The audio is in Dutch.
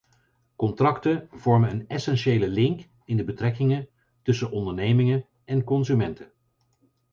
Contracten vormen een essentiële link in de betrekkingen tussen ondernemingen en consumenten.